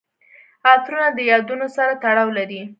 عطرونه د یادونو سره تړاو لري.